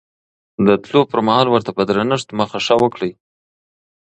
د تلو پر مهال ورته په درنښت مخه ښه وکړئ.